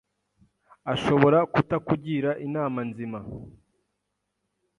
ashobora kutakugira inama nzima